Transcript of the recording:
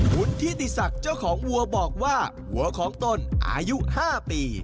คุณทิติศักดิ์เจ้าของวัวบอกว่าวัวของต้นอายุ๕ปี